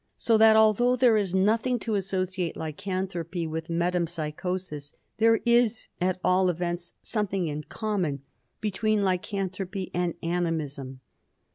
So that although there is nothing to associate lycanthropy with metempsychosis, there is, at all events, something in common between lycanthropy and animism.